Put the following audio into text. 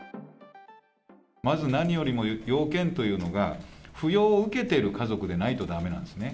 まず何よりも、要件というのが、扶養を受けてる家族でないとだめなんですね。